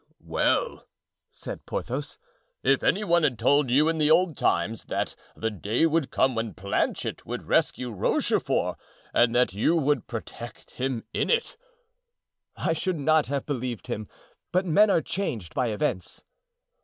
"Well," said Porthos, "if any one had told you in the old times that the day would come when Planchet would rescue Rochefort and that you would protect him in it——" "I should not have believed him; but men are changed by events."